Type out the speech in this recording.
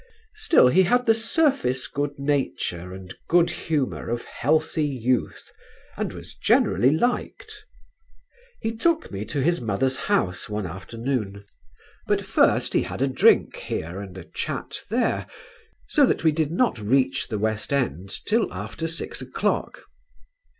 Still he had the surface good nature and good humour of healthy youth and was generally liked. He took me to his mother's house one afternoon; but first he had a drink here and a chat there so that we did not reach the West End till after six o'clock.